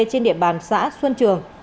trên địa bàn xã xuân trường